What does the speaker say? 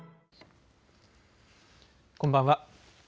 こんばんは。